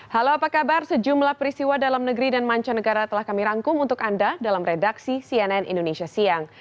halo apa kabar sejumlah peristiwa dalam negeri dan mancanegara telah kami rangkum untuk anda dalam redaksi cnn indonesia siang